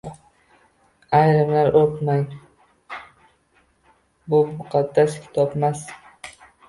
Ayrimlar o‘pmang, bu muqaddas kitobmas.